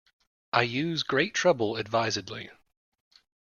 I use great trouble advisedly.